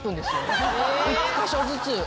１カ所ずつ。